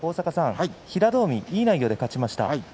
平戸海いい内容で勝ちました。